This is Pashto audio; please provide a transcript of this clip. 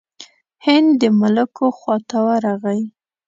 هند د ملوکو خواته ورغی.